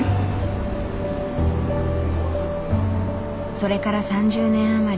それから３０年余り。